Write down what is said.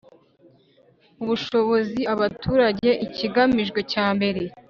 ubushobozi abaturage ikigamijwe cya mbere